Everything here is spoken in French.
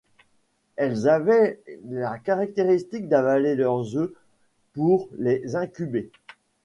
Elles avaient la caractéristique d'avaler leurs œufs pour les incuber.